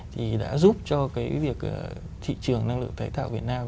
thì đã giúp cho cái việc thị trường năng lượng tái tạo việt nam